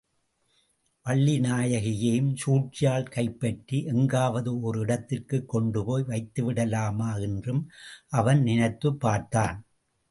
வள்ளிநாயகியையும் சூழ்ச்சியால் கைப்பற்றி எங்காவது ஓர் இடத்திற்குக் கொண்டுபோய் வைத்துவிடலாமா என்றும் அவன் நினைத்துப் பார்த்தான்.